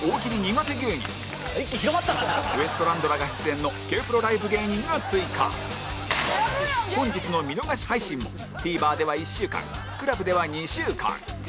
今週はウエストランドらが出演の Ｋ−ＰＲＯ ライブ芸人が追加本日の見逃し配信も ＴＶｅｒ では１週間 ＣＬＵＢ では２週間